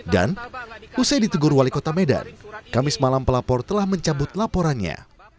dan usai ditegur wali kota medan kamis malam pelapor telah mencabut laporannya